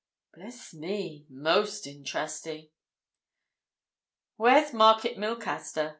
Bless me!—most interesting." "Where's Market Milcaster?"